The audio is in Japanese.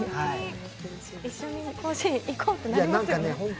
一緒に甲子園行こうってなりますよね。